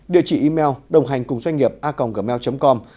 địa chỉ email đồnghànhcungdoanhnghiệpaconggmail com